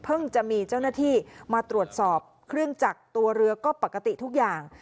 จะมีเจ้าหน้าที่มาตรวจสอบเครื่องจักรตัวเรือก็ปกติทุกอย่าง